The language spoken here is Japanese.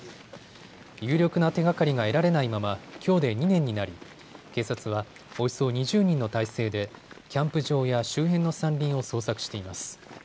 有力な手がかりが得られないままきょうで２年になり警察は、およそ２０人の態勢でキャンプ場や周辺の山林を捜索しています。